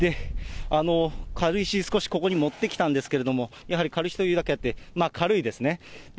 軽石、少しここに持ってきたんですけれども、やはり軽石というだけあって、軽いですね。